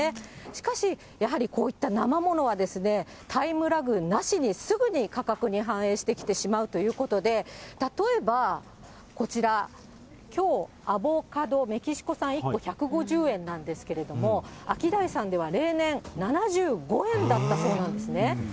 しかし、やはりこういった生ものは、タイムラグなしにすぐに価格に反映してきてしまうということで、例えばこちら、きょう、アボカド、メキシコ産１個１５０円なんですけれども、アキダイさんでは例年７５円だったそうなんですね。